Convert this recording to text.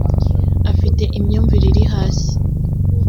afite imyumvire iri hasi.